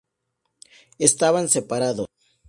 Estaban separados.